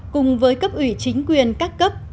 cùng với cấp ủy chính quyền các cấp